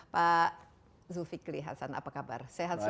pak zulkifli hasan apa kabar sehat selalu